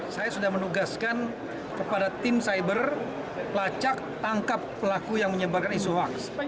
saya sudah menugaskan kepada tim cyber lacak tangkap pelaku yang menyebarkan isu hoax